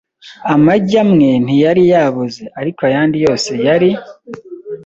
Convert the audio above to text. Amagi amwe ntiyari yaboze, ariko ayandi yose yari.